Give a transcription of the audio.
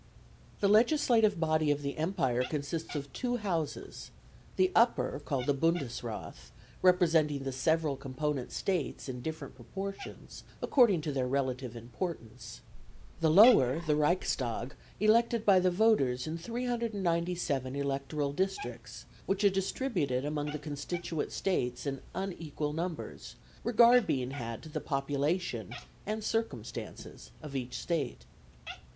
The legislative body of the empire consists of two Houses the Upper, called the Bundesrath, representing the several component States in different proportions according to their relative importance; the lower, the Reichstag, elected by the voters in 397 electoral districts, which are distributed amongst the constituent States in unequal numbers, regard being had to the population and circumstances of each State.